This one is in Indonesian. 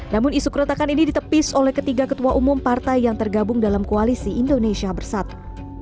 namun isu keretakan ini ditepis oleh ketiga ketua umum partai yang tergabung dalam koalisi indonesia bersatu